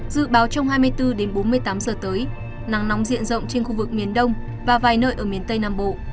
dự báo trong hai mươi bốn đến bốn mươi tám giờ tới nắng nóng diện rộng trên khu vực miền đông và vài nơi ở miền tây nam bộ